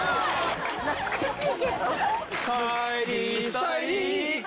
懐かしい。